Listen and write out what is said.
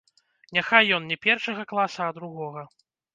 Няхай ён не першага класа, а другога.